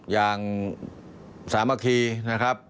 อย่างสามัคคีนะครับ